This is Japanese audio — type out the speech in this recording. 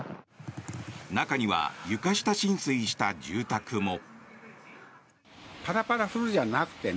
中には床下浸水した住宅も。